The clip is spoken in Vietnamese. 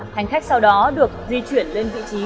hành khách sau đó được di chuyển lên vị trí